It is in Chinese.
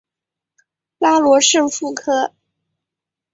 拉罗什富科。